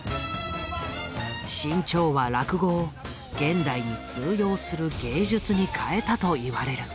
志ん朝は落語を現代に通用する芸術に変えたと言われる。